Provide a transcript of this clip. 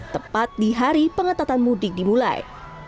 tepat di hari pengetatan mudik dimulai